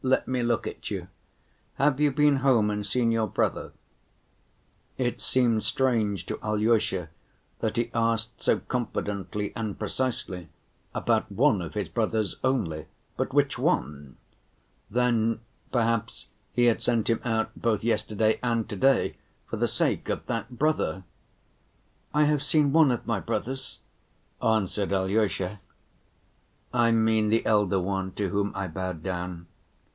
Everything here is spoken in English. "Let me look at you. Have you been home and seen your brother?" It seemed strange to Alyosha that he asked so confidently and precisely, about one of his brothers only—but which one? Then perhaps he had sent him out both yesterday and to‐day for the sake of that brother. "I have seen one of my brothers," answered Alyosha. "I mean the elder one, to whom I bowed down."